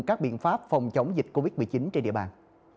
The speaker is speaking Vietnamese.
các biện pháp phòng chống dịch covid một mươi chín trên địa bàn